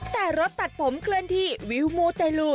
แต่รถตัดผมเคลื่อนที่วิวมูเตลู